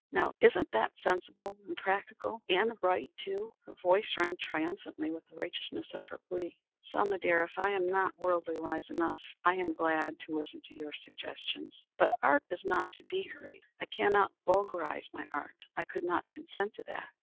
Now isn't that sensible and practical and right, too?" Her voice rang triumphantly with the righteousness of her plea. "Selma, dear, if I am not worldly wise enough, I am glad to listen to your suggestions. But art is not to be hurried. I cannot vulgarize my art. I could not consent to that."